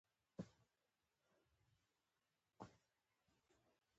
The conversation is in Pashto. اشرافو سیاست او اقتصاد دواړه انحصار کړي وو